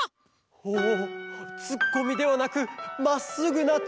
おおツッコミではなくまっすぐなちゅうい。